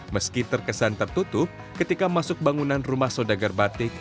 meski terkesan tertutup ketika masuk bangunan rumah saudagar batik